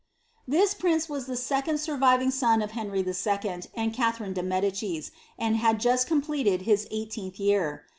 This prince was the second surviving sen of Henry If. and CalhsriM de Hedicis, and had just completed his eighteenth year.